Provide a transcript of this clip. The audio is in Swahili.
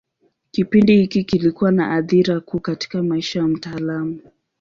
Kipindi hiki kilikuwa na athira kuu katika maisha ya mtaalamu.